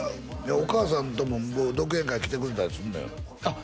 お母さんとも独演会来てくれたりすんのよあっ